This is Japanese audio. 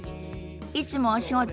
いつもお仕事